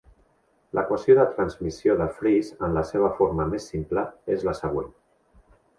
L'equació de transmissió de Friis, en la seva forma més simple, és la següent.